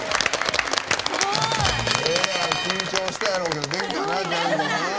緊張したやろうけどできたな。